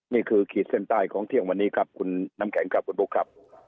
นี่คือขีดเส้นใต้ของเที่ยงวันนี้ครับคุณน้ำแข็งคุณลุคครับ